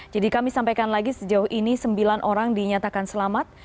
jadi kami sampaikan lagi sejauh ini sembilan orang dinyatakan selamat